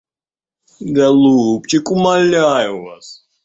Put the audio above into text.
Голубчик, умоляю вас.